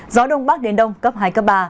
gió đông bắc đến đông cấp hai cấp ba